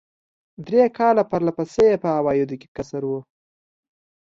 درې کاله پر له پسې یې په عوایدو کې کسر و.